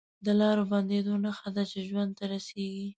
د لارو بندېدو نښه ده چې ژوند ته رسېږي